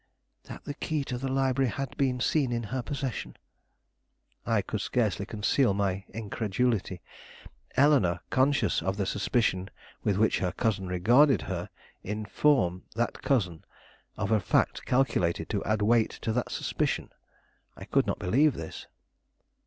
"That the key to the library had been seen in her possession." I could scarcely conceal my incredulity. Eleanore, conscious of the suspicion with which her cousin regarded her, inform that cousin of a fact calculated to add weight to that suspicion? I could not believe this.